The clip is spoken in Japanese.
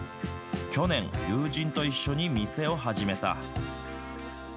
去年、友人と一緒に店を始めた。